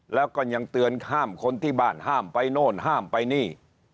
แล้วก็ยังเตือนห้ามคนที่บ้านห้ามไปโน่นห้ามไปนี่